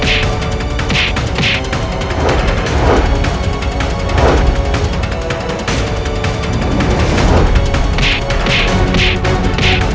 aku tidak mau